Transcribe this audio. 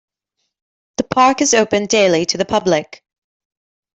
The park is open daily to the public.